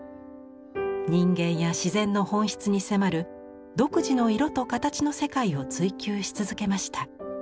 人間や自然の本質に迫る独自の色と形の世界を追求し続けました。